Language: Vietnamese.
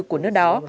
của nước đó